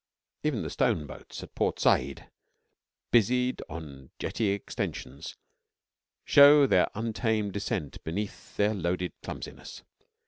Even the stone boats at Port Said, busied on jetty extensions, show their untamed descent beneath their loaded clumsiness.